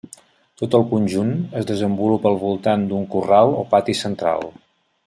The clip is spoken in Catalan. Tot el conjunt es desenvolupa al voltant d'un corral o pati central.